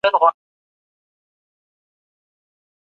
که سبق تکرار سي نو هېرول نه کېږي.